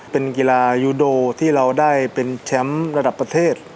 เป็นกีฬายูโดที่เราได้เป็นแชมป์ระดับประเทศ